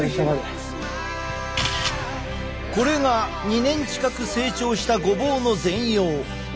これが２年近く成長したごぼうの全容。